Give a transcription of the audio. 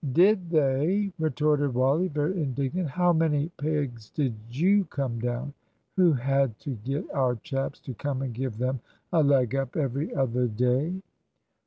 "Did they?" retorted Wally, very indignant; "how many pegs did you come down? Who had to get our chaps to come and give them a leg up every other day?"